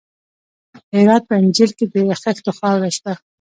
د هرات په انجیل کې د خښتو خاوره شته.